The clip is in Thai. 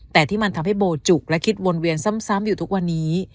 แต่ที่มันทำให้โบจุกและคิดวนเวียนซ้ำอยู่ทุกวันนี้